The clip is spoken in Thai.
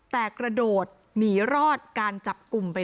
ลักษณ์มากกว่า